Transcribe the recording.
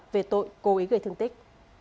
về tội cố ý gây thương tích